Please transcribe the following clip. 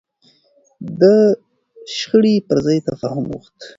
ده د شخړې پر ځای تفاهم غوښت.